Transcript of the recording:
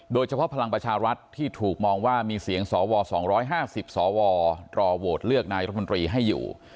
พลังประชารัฐที่ถูกมองว่ามีเสียงสว๒๕๐สวรอโหวตเลือกนายรัฐมนตรีให้อยู่